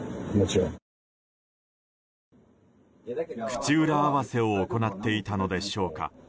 口裏合わせを行っていたのでしょうか。